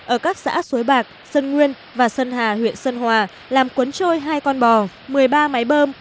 ở các xã suối bạc sơn nguyên và sơn hà huyện sơn hòa làm cuốn trôi hai con bò một mươi ba máy bơm